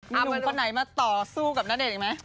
หนุ่มคนไหนมาต่อสู้กับณเดชนอีกไหม